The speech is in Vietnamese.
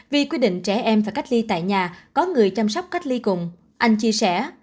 vì quy định trẻ em phải cách ly tại nhà có người chăm sóc cách ly cùng anh chia sẻ